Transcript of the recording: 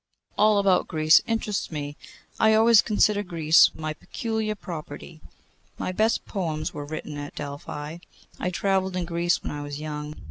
'All about Greece interests me. I always consider Greece my peculiar property. My best poems were written at Delphi. I travelled in Greece when I was young.